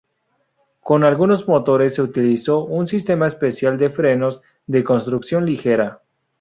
Con algunos motores se utilizó un sistema especial de frenos de construcción ligera.